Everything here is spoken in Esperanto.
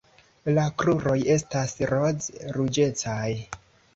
La kruroj estas roz-ruĝecaj.